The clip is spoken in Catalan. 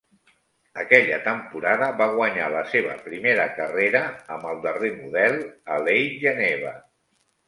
Aquella temporada va guanyar la seva primera carrera amb el darrer model a Lake Geneva.